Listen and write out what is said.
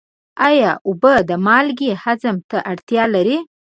آیا اوبه او مالګې هضم ته اړتیا لري؟